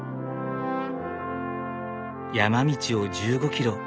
山道を１５キロ。